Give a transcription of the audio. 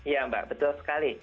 ya mbak betul sekali